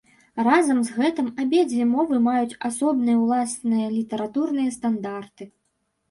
Разам з гэтым абедзве мовы маюць асобныя ўласныя літаратурныя стандарты.